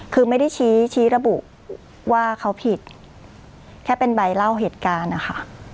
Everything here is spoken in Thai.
คือไม่ได้ชี้ชี้ระบุว่าเขาผิดแค่เป็นใบเล่าเหตุการณ์นะคะ